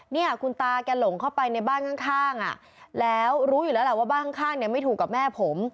เนี่ยคุณตาแกหลงเข้าไปในบ้านข้างอ่ะแล้วรู้อยู่แล้วแหละว่าบ้านข้างเนี่ยไม่ถูกกับแม่ผม